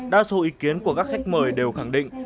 đa số ý kiến của các khách mời đều khẳng định